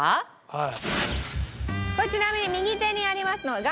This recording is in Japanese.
はい。